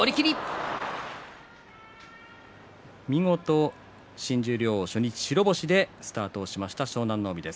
見事、新十両初日白星でスタートした湘南乃海です。